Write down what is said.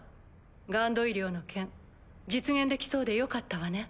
ＧＵＮＤ医療の件実現できそうでよかったわね。